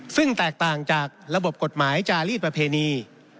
ซึ่งแตกต่างจากระบบกฎหมายจารีสประเพณี